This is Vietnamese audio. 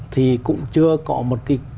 thì cũng chưa có một cái